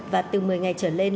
và từ một mươi ngày trở lên